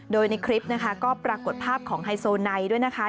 โดยในคลิปนะคะก็ปรากฏภาพของไฮโซไนด้วยนะคะ